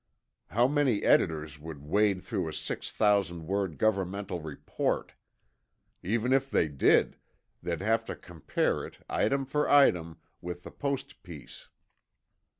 How many editors would wade through a six thousand word government report? Even if they did, they'd have to compare it, item for item, with the Post piece."